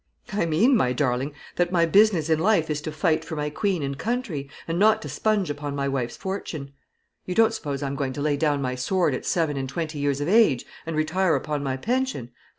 "I mean, my darling, that my business in life is to fight for my Queen and country, and not to spunge upon my wife's fortune. You don't suppose I'm going to lay down my sword at seven and twenty years of age, and retire upon my pension?